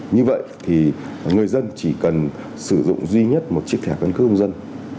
như vậy thì người dân chỉ cần sử dụng duy nhất một chiếc thẻ căn cước công dân